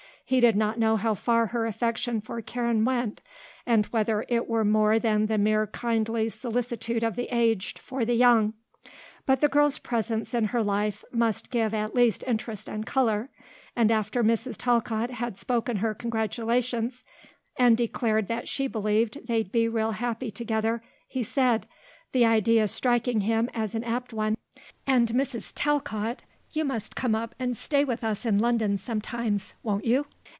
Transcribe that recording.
He did not know how far her affection for Karen went and whether it were more than the mere kindly solicitude of the aged for the young; but the girl's presence in her life must give at least interest and colour, and after Mrs. Talcott had spoken her congratulations and declared that she believed they'd be real happy together, he said, the idea striking him as an apt one, "And Mrs. Talcott, you must come up and stay with us in London sometimes, won't you?"